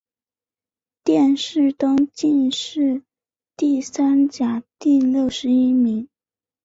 殿试登进士第三甲第六十一名。